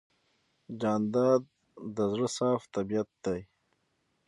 جانداد د زړه صاف طبیعت دی.